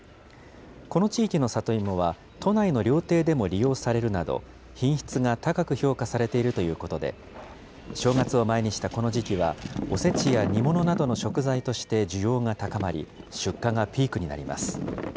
この地域の里芋は都内の料亭でも利用されるなど、品質が高く評価されているということで、正月を前にしたこの時期は、おせちや煮物などの食材として需要が高まり、出荷がピークになります。